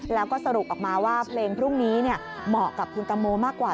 แล้วก็สรุปออกมาว่าเพลงพรุ่งนี้เหมาะกับคุณตังโมมากกว่า